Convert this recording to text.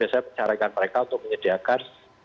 biasanya mencarikan mereka untuk menyediakan